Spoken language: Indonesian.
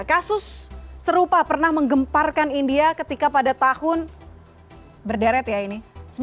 kasus serupa pernah menggemparkan india ketika pada tahun berderet ya ini